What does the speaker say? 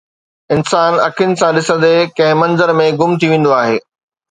انسان اکين سان ڏسندي ڪنهن منظر ۾ گم ٿي ويندو آهي